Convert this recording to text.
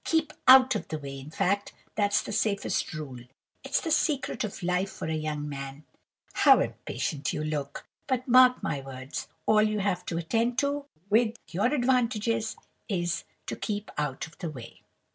Keep out of the way, in fact, that's the safest rule. It's the secret of life for a young man—How impatient you look! but mark my words:—all you have to attend to, with your advantages, is, to keep out of the way.